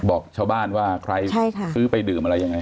บอกชาวบ้านว่าใครซื้อไปดื่มอะไรยังไง